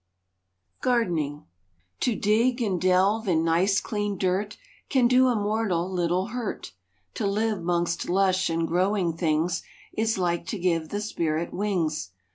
GARDENING TO dig and delve in nice clean dirt Can do a mortal little hurt. To live mongst lush and growing things Is like to give the spirit wings.